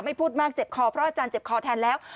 พูดมากเจ็บคอเพราะอาจารย์เจ็บคอแทนแล้ว